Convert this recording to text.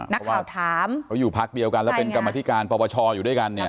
นักข่าวถามเขาอยู่พักเดียวกันแล้วเป็นกรรมธิการปปชอยู่ด้วยกันเนี่ย